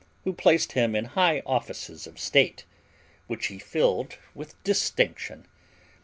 who placed him in high offices of state, which he filled with distinction.